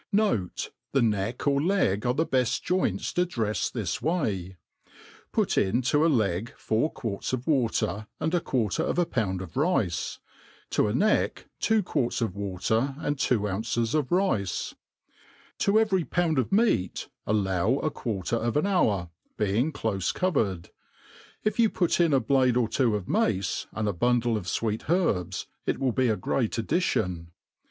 Not^ ,the neck or leg ace the befl Joints to ^refs this way : put ia io> a leg foiir quarts of water,' and a quarter of a pound pf rice ; to a neck^ two quarts of Water, and two ounces of itce« To every pound of meat allpw a quartet of an hour, being clofe covered. If you put in a blade, or two of mace,' l^Qda buivileof fweet herbs, it will be a great additron.